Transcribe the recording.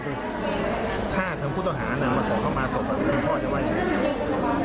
ท่าทั้งพุทธอาหารังมาขอเข้ามาสดคุณพ่อจะไว้อย่างนี้